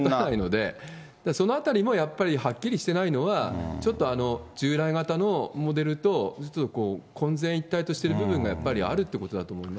そのあたりもやっぱりはっきりしてないのは、ちょっと従来型のモデルと混然一体としている部分がやっぱりあるってことだと思います。